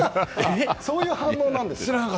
そういう反応なんです。